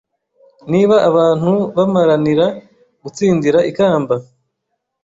Niba abantu bamaranira gutsindira ikamba